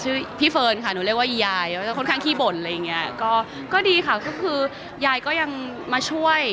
ชื่อพี่เพลินขานุเรียกว่ายายก็ค่อนข้างขี้บ่นเลยเนี่ยก็ก็ดีข้าก็คือย่างมาช่วย